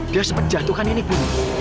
dia sempat jatuhkan ini bu